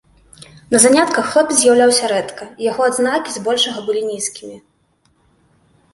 На занятках хлопец з'яўляўся рэдка, і яго адзнакі збольшага былі нізкімі.